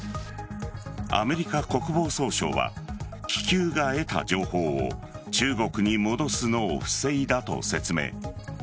アメリカ国防総省は気球が得た情報を中国に戻すのを防いだと説明。